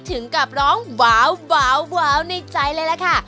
ถึงกับร้องว้าวในใจเลยล่ะค่ะ